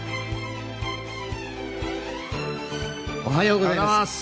おはようございます。